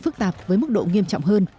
phức tạp với mức độ nghiêm trọng hơn